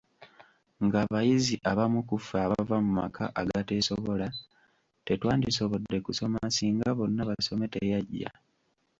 Ng'abayizi abamu ku ffe abava mu maka agateesobola, tetwandisobodde kusoma singa `Bonna Basome' teyajja.